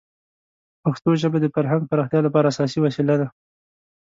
پښتو ژبه د فرهنګ پراختیا لپاره اساسي وسیله ده.